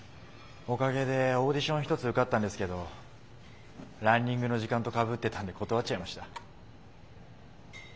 おかげでオーディション１つ受かったんですけどランニングの時間とかぶってたんで断っちゃいました。